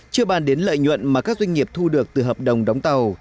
chưa bàn đến lợi nhuận mà các doanh nghiệp thu được từ hợp đồng đóng tàu